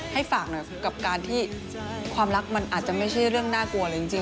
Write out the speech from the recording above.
ให้ฝากหน่อยกับการที่ความรักมันอาจจะไม่ใช่เรื่องน่ากลัวเลยจริง